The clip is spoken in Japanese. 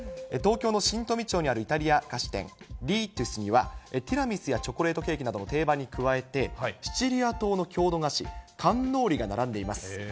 東京の新富町にあるイタリア菓子店、リートゥスには、ティラミスやチョコレートケーキなどの定番に加えて、シチリア島の郷土菓子、カンノーリが並んでいます。